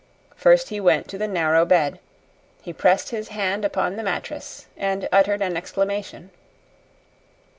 First he went to the narrow bed. He pressed his hand upon the mattress and uttered an exclamation.